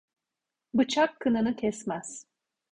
Bıçak kınını kesmez.